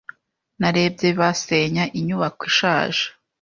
Narebye basenya inyubako ishaje.